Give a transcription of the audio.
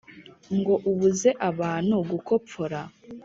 ngo ubuze abantu gukopfora